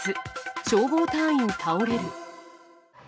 消防隊員倒れる。